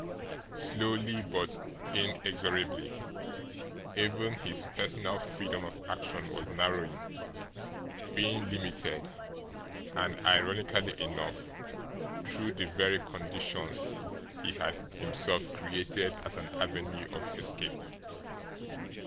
Slowly, but inexorably, even his personal freedom of action was narrowing, being limited, and, ironically enough, through the very conditions he had himself created as an avenue of escape.